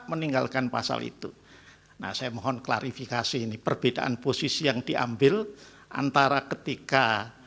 meninggalkan pasal itu nah saya mohon klarifikasi ini perbedaan posisi yang diambil antara ketika